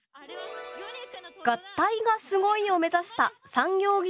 「合体がすごい！」を目指した産業技術